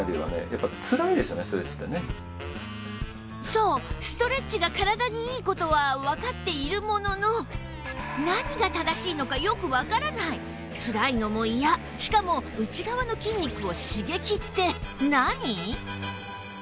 そうストレッチが体にいい事はわかっているものの何が正しいのかよくわからないつらいのも嫌しかも「内側の筋肉を刺激」って何？